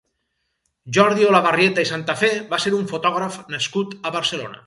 Jordi Olavarrieta i Santafé va ser un fotògraf nascut a Barcelona.